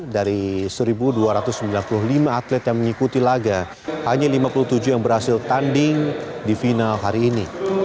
dari satu dua ratus sembilan puluh lima atlet yang mengikuti laga hanya lima puluh tujuh yang berhasil tanding di final hari ini